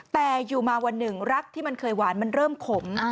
แต่อยู่มาวันหนึ่งรักที่มันเคยหวานมันเริ่มขม